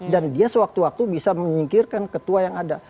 dan dia sewaktu waktu bisa menyingkirkan ketua yang ada